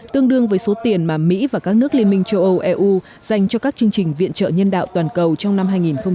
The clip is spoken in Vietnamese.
tương đương với số tiền mà mỹ và các nước liên minh châu âu eu dành cho các chương trình viện trợ nhân đạo toàn cầu trong năm hai nghìn hai mươi